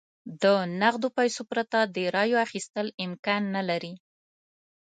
د نغدو پیسو پرته د رایو اخیستل امکان نه لري.